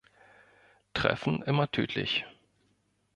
Treffen immer tödlich!